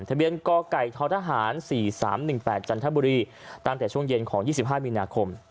ทะเบียนกไก่ททหาร๔๓๑๘จันทบุรีตั้งแต่ช่วงเย็นของ๒๕มีนาคม